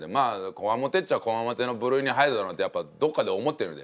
強面っちゃ強面の部類に入るだろうってやっぱどっかで思ってるので。